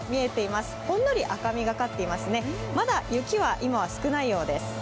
まだ雪は今は少ないようです。